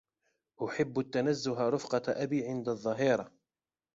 أحب التنزه رفقة أبي عند الظهيرة